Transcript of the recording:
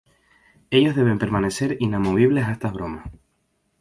Ellas deben permanecer inamovibles a estas bromas.